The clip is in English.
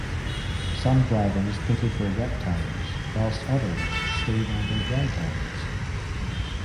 Some drivers pitted for wet tyres whilst others stayed on their dry tyres.